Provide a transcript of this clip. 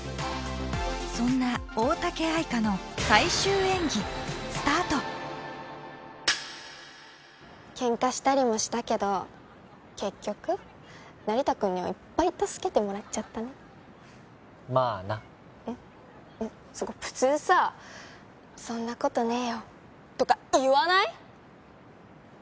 そんな大嵩愛花の最終演技スタートケンカしたりもしたけど結局成田くんにはいっぱい助けてもらっちゃったねまあなえっえっそこ普通さ「そんなことねえよ」とか言わない？